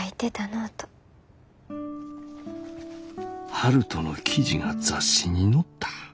「悠人の記事が雑誌に載った。